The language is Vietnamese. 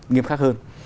nghiêm khắc hơn